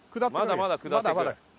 まだまだ下っていく。